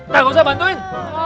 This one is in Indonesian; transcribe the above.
gak usah bantuin